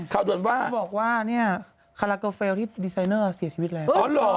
เขาบอกว่าแคราเกอร์เฟลที่ดีไซเนอร์เสียชีวิตแล้ว